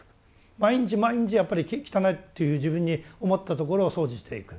毎日毎日やっぱり汚いって自分に思ったところを掃除していく。